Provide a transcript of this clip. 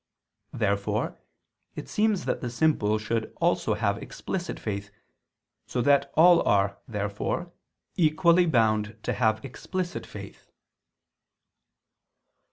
Therefore it seems that the simple should also have explicit faith; so that all are, therefore, equally bound to have explicit faith.